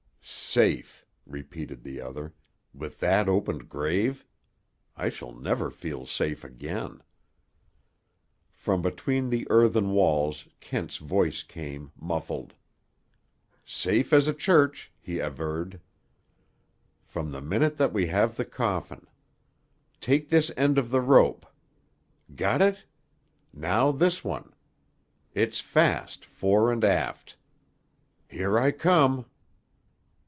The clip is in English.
"Safe!" repeated the other. "With that opened grave! I shall never feel safe again." From between the earthen walls Kent's voice came, muffled. "Safe as a church," he averred, "from the minute that we have the coffin. Take this end of the rope. Got it? Now this one. It's fast, fore and aft. Here I come."